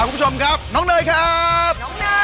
คุณผู้ชมครับน้องเนยครับ